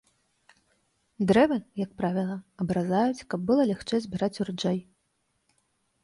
Дрэвы, як правіла, абразаюць, каб было лягчэй збіраць ураджай.